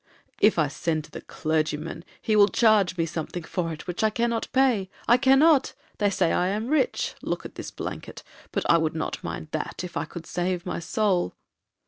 'If I send to the clergyman, he will charge me something for it, which I cannot pay,—I cannot. They say I am rich,—look at this blanket;—but I would not mind that, if I could save my soul.'